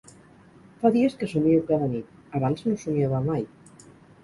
Fa dies que somio cada nit: abans no somiava mai.